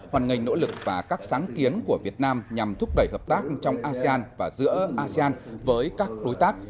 hoàn ngành nỗ lực và các sáng kiến của việt nam nhằm thúc đẩy hợp tác trong asean và giữa asean với các đối tác